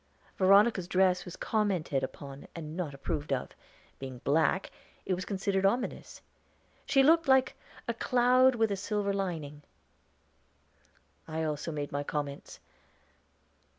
Veronica's dress was commented upon and not approved of; being black, it was considered ominous. She looked like a 'cloud with a silver lining.' I also made my comments.